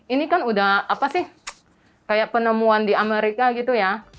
ini kan udah apa sih kayak penemuan di amerika gitu ya